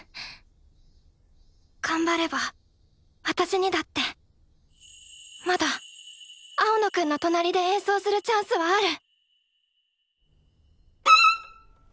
頑張れば私にだってまだ青野くんの隣で演奏するチャンスはある！